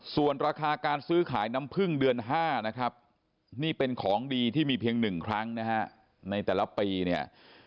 ส่วนราคาการซื้อขายน้ำพึ่งเดือน๕นะครับนี่เป็นของดีที่มีเพียง๑ครั้งนะฮะในแต่ละปีเนี่ย